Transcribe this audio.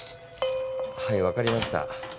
はいわかりました。